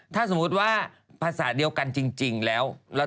ถ้าสมมุติว่าภาษาเดียวกันจริงแล้ว